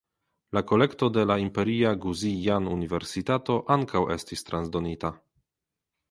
La kolekto de la imperia guzijian universitato ankaŭ estis transdonita.